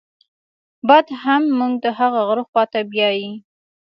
باد هم موږ د هغه غره خواته بېولو.